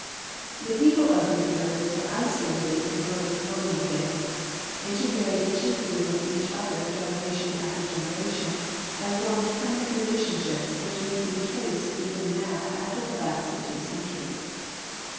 The people of these areas were isolated in early colo nial days ; intermarried chiefly with each other generation after generation, and formed permanent relationships which may he traced even now after the lapse of two centuries.